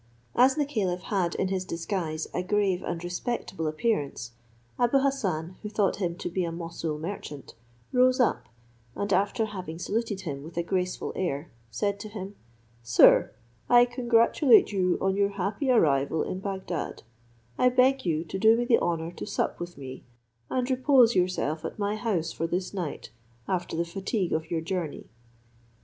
As the caliph had in his disguise a grave and respectable appearance, Abou Hassan, who thought him to be a Moussul merchant, rose up, and after having saluted him with a graceful air, said to him, "Sir, I congratulate you on your happy arrival in Bagdad, I beg you to do me the honour to sup with me, and repose yourself at my house for this night, after the fatigue of your journey."